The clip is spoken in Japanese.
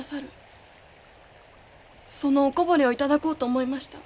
そのおこぼれを頂こうと思いました。